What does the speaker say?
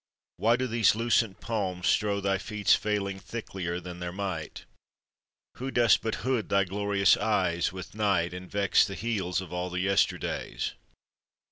Why do those lucent palms Strew thy feet's failing thicklier than their might, Who dost but hood thy glorious eyes with night, And vex the heels of all the yesterdays?